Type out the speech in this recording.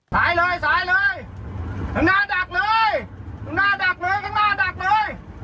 สายเลยสายเลยข้างหน้าดักเลยข้างหน้าดักเลยข้างหน้าดักเลย